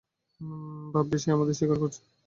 ভাববে সেই আমাদের শিকার করছে।